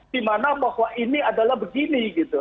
dimana bahwa ini adalah begini gitu